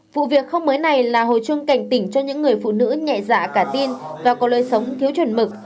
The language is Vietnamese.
vụ việc không mới này là hồi chuông cảnh tỉnh cho những người phụ nữ nhẹ dạ cả tin và có lối sống thiếu chuẩn mực